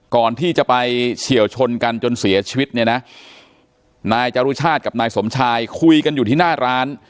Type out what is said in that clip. ก่อนที่จะไปเฉียวชนกันจนเสียชีวิตเนี่ยนะนายจรุชาติกับนายสมชายคุยกันอยู่ที่หน้าร้าน